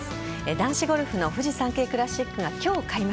男子ゴルフのフジサンケイクラシックが今日開幕。